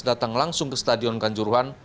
datang langsung ke stadion kanjuruhan